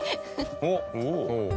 おっ！